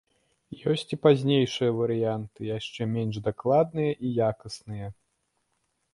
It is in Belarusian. Ёсць і пазнейшыя варыянты, яшчэ менш дакладныя і якасныя.